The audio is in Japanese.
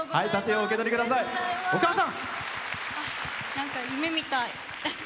なんか夢みたい。